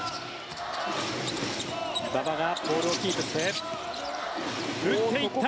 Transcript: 馬場がボールをキープして打っていった！